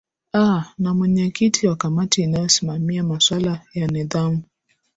aa na mwenyekiti wa kamati inayosimamia masuala ya nidhamu